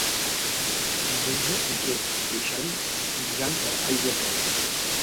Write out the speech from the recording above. Diumenge en Quer i en Xavi aniran a Aiguafreda.